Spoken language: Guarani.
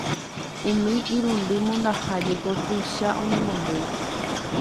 Umi irundy mondaha jeko tuicha oñemondýi.